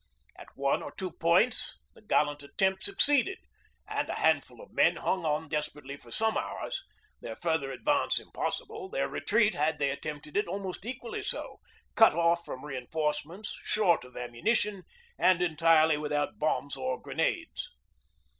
At one or two points the gallant attempt succeeded, and a handful of men hung on desperately for some hours, their further advance impossible, their retreat, had they attempted it, almost equally so, cut off from reinforcements, short of ammunition, and entirely without bombs or grenades.